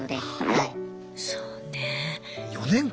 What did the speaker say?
はい。